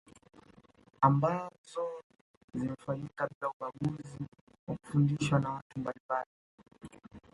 Ambazo zimefanyika bila ubaguzi na kufundishwa na watu mbalimbali